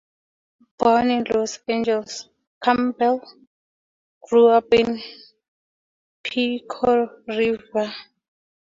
Born in Los Angeles, Campbell grew up in Pico Rivera.